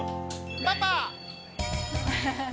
パパ！